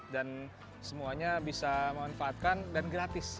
dan semuanya bisa memanfaatkan dan gratis